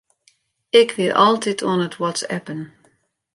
Ik wie altyd oan it whatsappen.